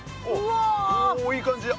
おおいい感じだ。